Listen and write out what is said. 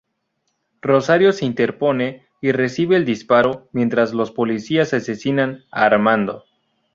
Rosario se interpone y recibe el disparo, mientras los policías asesinan a Armando.